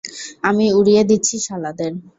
আমি উড়িয়ে দিচ্ছি শালাদের!